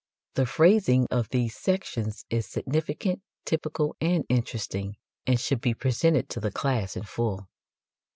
The phrasing of these sections is significant, typical, and interesting, and should be presented to the class in full.